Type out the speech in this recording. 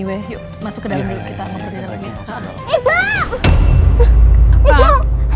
anyway yuk masuk ke dalam dulu kita makan di dalam ini